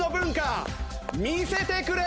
見せてくれ！